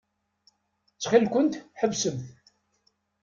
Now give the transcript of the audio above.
Ttxil-kent, ḥebsemt.